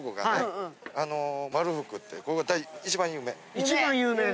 一番有名な。